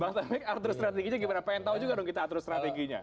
bang taufik atur strateginya gimana pengen tahu juga dong kita atur strateginya